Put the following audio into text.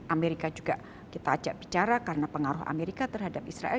amerika juga kita ajak bicara karena pengaruh amerika terhadap israel